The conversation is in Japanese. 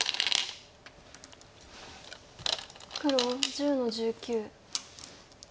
黒１０の十九。